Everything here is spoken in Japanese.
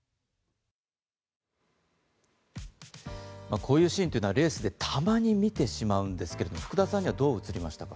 こういうシーンっていうのはレースでたまに見てしまうんですが福田さんにはどう映りましたか。